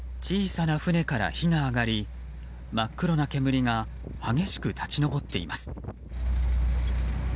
小さな船から火が上がり真っ黒な煙が激しく立ち上っています。